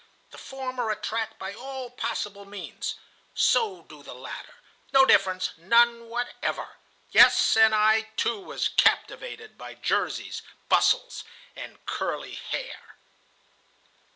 The former attract by all possible means; so do the latter. No difference, none whatever! "Yes, and I, too, was captivated by jerseys, bustles, and curly hair."